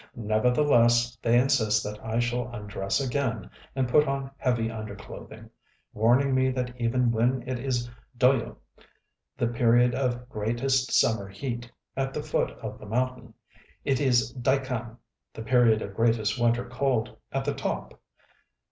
Nevertheless they insist that I shall undress again and put on heavy underclothing; warning me that even when it is Doy┼Ź (the period of greatest summer heat) at the foot of the mountain, it is Daikan (the period of greatest winter cold) at the top.